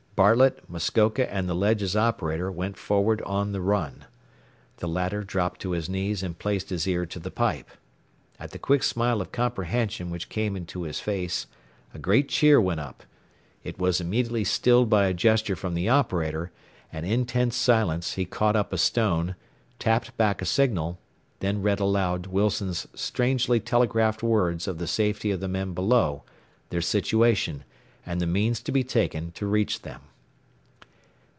Bartlett, Muskoka and the Ledges operator went forward on the run. The latter dropped to his knees and placed his ear to the pipe. At the quick smile of comprehension which came into his face a great cheer went up. It was immediately stilled by a gesture from the operator, and in tense silence he caught up a stone, tapped back a signal, then read aloud Wilson's strangely telegraphed words of the safety of the men below, their situation, and the means to be taken to reach them.